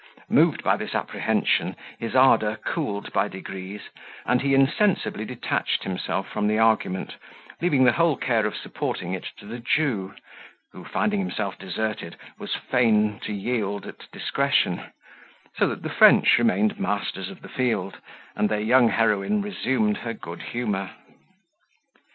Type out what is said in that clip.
Moved by this apprehension, his ardour cooled by degrees, and he insensibly detached himself from the argument, leaving the whole care of supporting it to the Jew, who, finding himself deserted, was fain to yield at discretion; so that the French remained masters of the field, and their young heroine resumed her good humour.